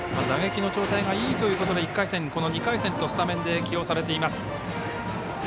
打撃の状態がいいということで１回戦この２回戦とスタメンで起用されています。